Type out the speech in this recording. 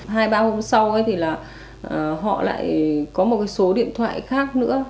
hai ba hôm sau họ lại có một số điện thoại khác nữa